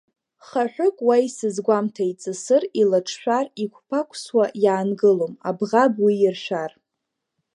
Хаҳәык уа исызгәамҭа иҵысыр, илаҿшәар, иқәԥақәсуа иаангылом, абӷаб уи иаршәар?